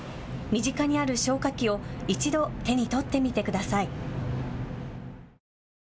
身近にある消火器を１度、手に取ってみてください。